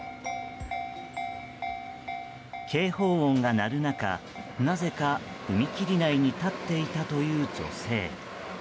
警報音が鳴る中、なぜか踏切内に立っていたという女性。